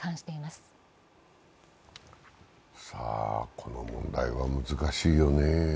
この問題は難しいよね。